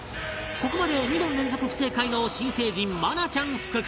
ここまで２問連続不正解の新成人愛菜ちゃん福君